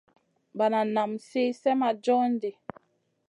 Banan naam lì slèh ma john ɗi.